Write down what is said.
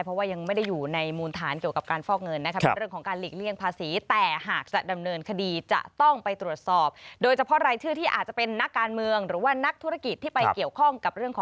เพราะว่ายังไม่ได้อยู่ในมูลฐานเกี่ยวกับการฟอกเงินนะครับ